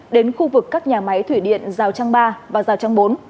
đến khu vực các nhà máy thủy điện giao trang ba và giao trang bốn